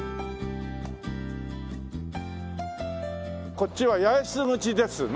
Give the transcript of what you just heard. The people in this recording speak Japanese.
こっちは八重洲口ですね。